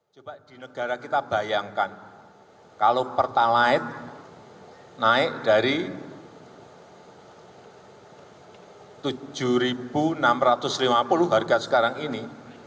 coba di negara kita bayangkan kalau pertalite naik dari tujuh enam ratus lima puluh harga sekarang ini